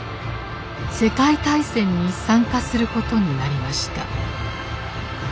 世界大戦に参加することになりました。